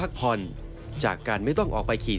จากการไม่ต้องออกไปขี่ซาเล้งอาจทำให้มีอายุยืนออกไปอีกนับ๑๐ปี